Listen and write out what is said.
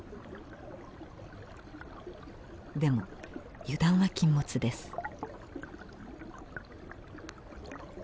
でも油断は禁物です。